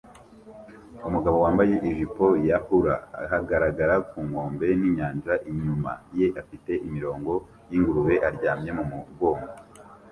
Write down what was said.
Umugabo wambaye ijipo ya hula ahagarara ku nkombe ninyanja inyuma ye afite imirongo yingurube aryamye mumugongo